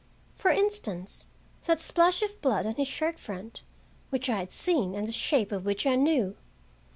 For instance, that splash of blood on his shirt front, which I had seen, and the shape of which I knew!